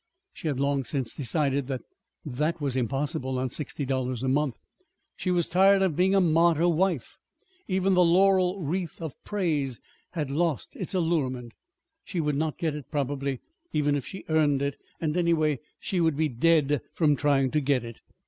She had long since decided that that was impossible on sixty dollars a month. She was tired of being a martyr wife. Even the laurel wreath of praise had lost its allurement: she would not get it, probably, even if she earned it; and, anyway, she would be dead from trying to get it.